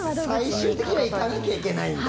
最終的には行かなきゃいけないんだ。